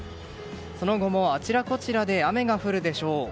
その後もあちらこちらで雨が降るでしょう。